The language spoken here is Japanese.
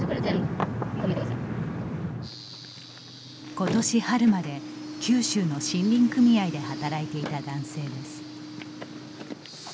ことし春まで九州の森林組合で働いていた男性です。